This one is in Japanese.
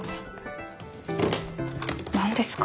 何ですか？